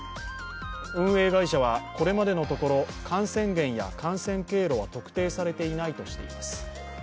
運営会社は、これまでのところ、感染源や感染経路は特定されていないとしています。